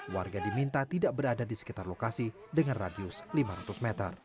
warga diminta tidak berada di sekitar lokasi dengan radius lima ratus meter